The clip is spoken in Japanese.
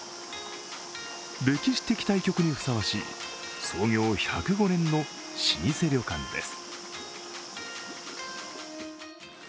歴史的対局にふさわしい、創業１０５年の老舗旅館です。